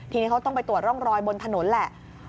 ทีนี้เขาต้องไปตรวจร่องรอยบนถนนแหละ